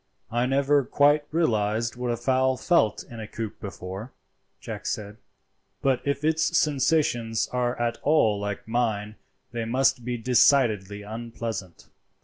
"I never quite realized what a fowl felt in a coop before," Jack said, "but if its sensations are at all like mine they must be decidedly unpleasant.